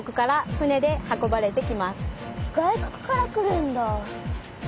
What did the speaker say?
外国から来るんだ！